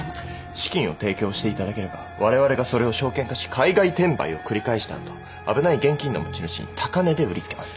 資金を提供していただければわれわれがそれを証券化し海外転売を繰り返した後危ない現金の持ち主に高値で売りつけます。